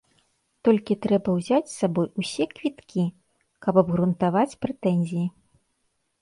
Толькі трэба ўзяць з сабой усе квіткі, каб абгрунтаваць прэтэнзіі.